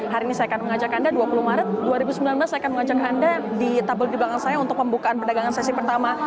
hari ini saya akan mengajak anda dua puluh maret dua ribu sembilan belas saya akan mengajak anda di tabel di belakang saya untuk pembukaan perdagangan sesi pertama